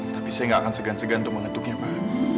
tapi saya gak akan segan segan untuk mengetuknya pak